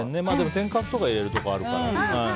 天かすとか入れるところあるからね。